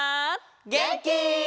げんき？